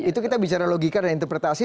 baik itu kita bicara logika dan interpretatif